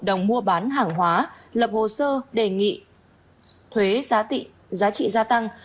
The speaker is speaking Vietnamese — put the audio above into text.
hợp đồng mua bán hàng hóa lập hồ sơ đề nghị thuế giá trị gia tăng